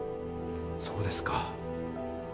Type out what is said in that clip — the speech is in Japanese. そうですか。